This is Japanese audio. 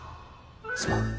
すまん。